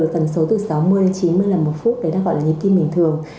tần số từ sáu mươi đến chín mươi là một phút đấy đang gọi là nhịp tim bình thường